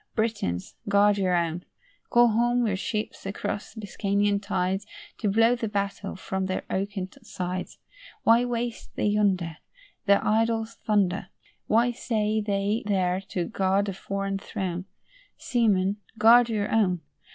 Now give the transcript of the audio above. Britons, guard your own. Call home your ships across Biscayan tides, To blow the battle from their oaken sides. Why waste they yonder Their idle thunder? Why stay they there to guard a foreign throne? Seamen, guard your own.